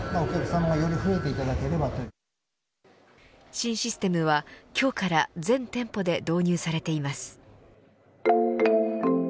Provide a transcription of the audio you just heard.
新システムは、今日から全店舗で導入されています。